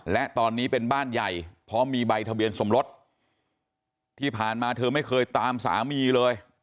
และตอนนี้เป็นบ้านใหญ่เพราะมีใบทะเบียนสมรสที่ผ่านมาเธอไม่เคยตามสามีเลย